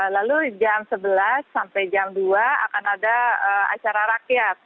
lalu jam sebelas sampai jam dua akan ada acara rakyat